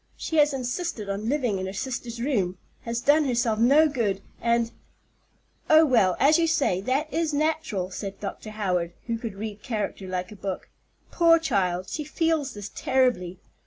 She has insisted on living in her sister's room, has done herself no good, and——" "Oh, well, as you say, that is natural," said Dr. Howard, who could read character like a book. "Poor child, she feels this terribly.